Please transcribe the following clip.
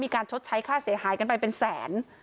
ชดใช้ค่าเสียหายกันไปเป็นแสน